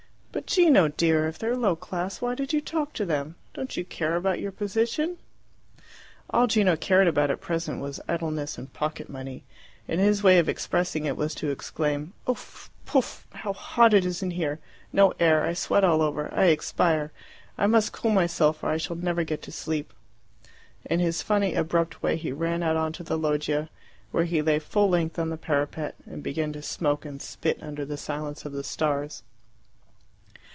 "But, Gino dear, if they're low class, why did you talk to them? Don't you care about your position?" All Gino cared about at present was idleness and pocket money, and his way of expressing it was to exclaim, "Ouf pouf! How hot it is in here. No air; I sweat all over. I expire. I must cool myself, or I shall never get to sleep." In his funny abrupt way he ran out on to the loggia, where he lay full length on the parapet, and began to smoke and spit under the silence of the stars.